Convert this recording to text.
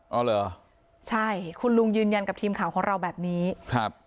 อ๋อเหรอใช่คุณลุงยืนยันกับทีมข่าวของเราแบบนี้ครับ